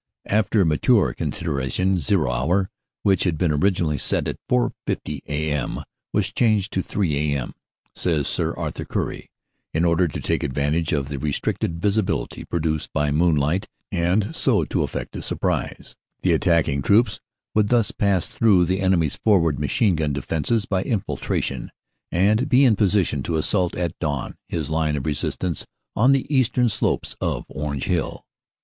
"After mature consideration, zero hour, which had been originally set at 4.50 a.m. was changed to 3 a.m.," says Sir Arthur Currie, "in order to take advantage of the restricted visibility produced by moonlight and so to effect a surprise; the attacking troops would thus pass through the enemy s for ward machine gun defenses by infiltration, and be in posi tion to assault at dawn his line of resistance on the eastern slopes of Orange Hill.